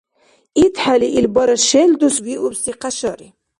Итхӏели ил бара шел дус виубси хъяшари.